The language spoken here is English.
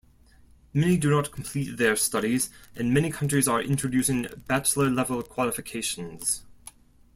Many do not complete their studies, and many countries are introducing bachelor-level qualifications.